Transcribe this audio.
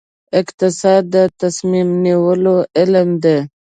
اقتصاد د تصمیم نیولو علم دی